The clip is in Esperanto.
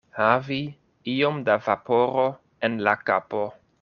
Havi iom da vaporo en la kapo.